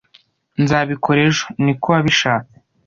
"Nzabikora ejo niko wabishatse